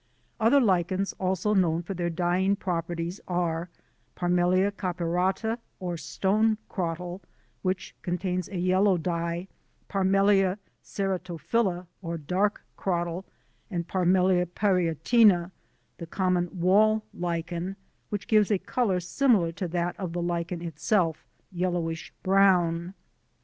Other Lichens also known for their dyeing properties are: Parmelia caperata, or Stone Crottle, which contains a yellow dye, P. ceratophylla, or Dark Crottle, and P. parietina, the common wall Lichen, which gives a colour similar to that of the Lichen itself, yellowish brown.